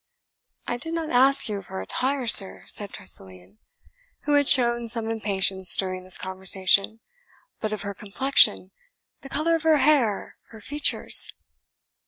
"I did not ask you of her attire, sir," said Tressilian, who had shown some impatience during this conversation, "but of her complexion the colour of her hair, her features."